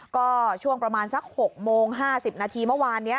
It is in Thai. ก็ช่วงประมาณสัก๖โมง๕๐นาทีเมื่อวานนี้